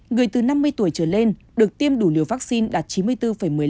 người từ năm mươi tuổi trở lên được tiêm đủ liều vaccine đạt chín mươi bốn một mươi năm